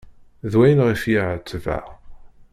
D wayen ɣef̣ i ɛetbeɣ.